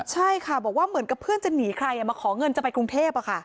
ใช่ค่ะบอกว่าเหมือนกับเพื่อนจะหนีใครมาขอเงินจะไปกรุงเทพ